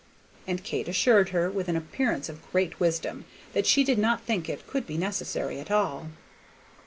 And Kate assured her, with an appearance of great wisdom, that she did not think it could be necessary at all.